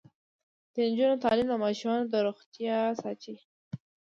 د نجونو تعلیم د ماشومانو روغتیا ساتي.